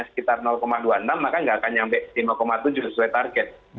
kalau kita lihat kalau dua puluh enam maka nggak akan sampai lima tujuh sesuai target